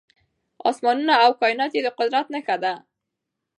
اسمانونه او کائنات يې د قدرت نښه ده .